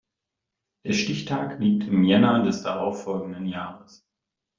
Der Stichtag liegt im Jänner des darauf folgenden Jahres.